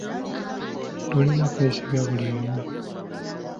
Tolina kwesiga buli omu.